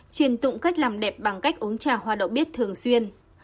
truyền tụng cách làm đẹp bằng cách uống trà hoa đậu bếp thường xuyên